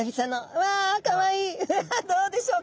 うわっどうでしょうか？